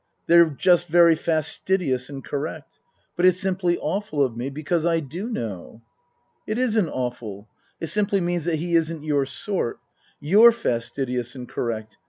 They're just very fastidious and correct. But it's simply awful of me, because I do know."*' " It isn't awful. It simply means that he isn't your sort. You're fastidious and correct.